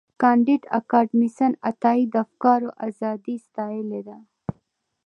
کانديد اکاډميسن عطایي د افکارو ازادي ستایلې ده.